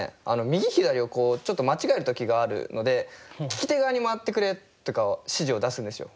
右左をちょっと間違える時があるので「利き手側に回ってくれ」とか指示を出すんですよ。